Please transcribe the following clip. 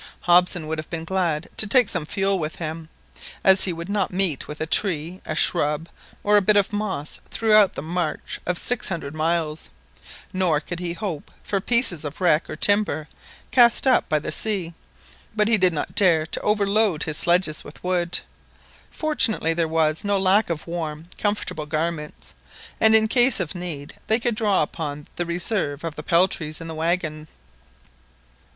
Hobson would have been glad to take some fuel with him, as he would not meet with a tree, a shrub, or a bit of moss throughout the march of six hundred miles, nor could he hope for pieces of wreck or timber cast up by the sea, but he did not dare to overload his sledges with wood. Fortunately there was no lack of warm comfortable garments, and in case of need they could draw upon the reserve of peltries in the waggon.